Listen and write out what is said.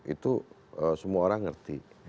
itu semua orang ngerti